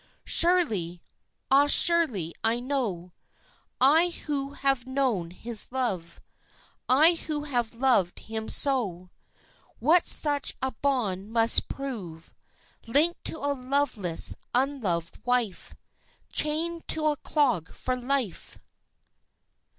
Surely, ah surely, I know I who have known his love, I who have loved him so, What such a bond must prove, Linked to a loveless, unloved wife, Chained to a clog for life!